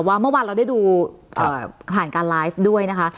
เมื่อวานเราได้ดูผ่านการไลฟ์ด้วยนะคะ